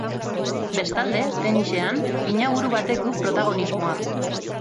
Bestalde, tenisean, pinaburu batek du protagonismoa.